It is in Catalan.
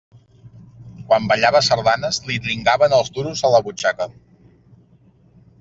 Quan ballava sardanes li dringaven els duros a la butxaca.